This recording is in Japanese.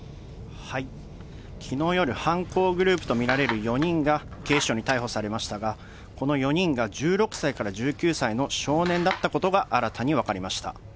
きのう夜、犯行グループと見られる４人が警視庁に逮捕されましたが、この４人が１６歳から１９歳の少年だったことが新たに分かりました。